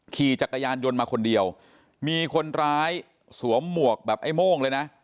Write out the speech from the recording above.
ขี่จักรยานยนต์มาคนเดียวมีคนร้ายสวมหมวกแบบไอ้โม่งเลยนะ